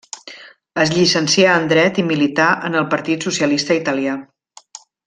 Es llicencià en dret i milità en el Partit Socialista Italià.